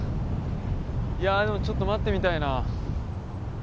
いやでもちょっと待ってみたいな。